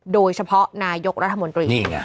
โดยเฉพาะนายกรัฐมนตรี